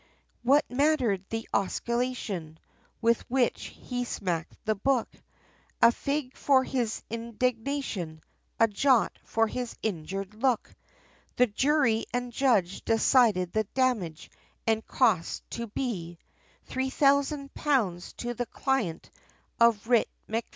What mattered the osculation, with which he smacked the book, A fig for his indignation, a jot for his injured look, The jury, and judge, decided the damage, and costs, to be Three thousand pounds, to the client of Writ MacFee, Q.